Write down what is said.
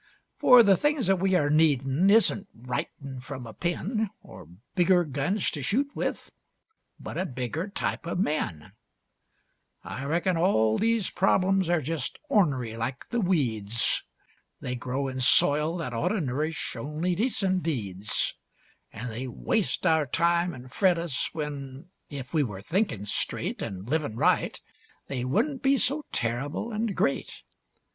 For the things that we air needin' isn't writin' from a pen Or bigger guns to shoot with, but a bigger type of men. [Illustration: "The Need" From a painting by PRUETT CARTER.] "I reckon all these problems air jest ornery like the weeds. They grow in soil that oughta nourish only decent deeds, An' they waste our time an' fret us when, if we were thinkin' straight An' livin' right, they wouldn't be so terrible and great.